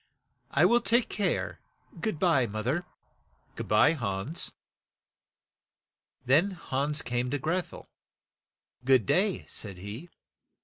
"I will take care; good by, moth er." "Good by, Hans." Then Hans came to Greth el. " Good day, " said he.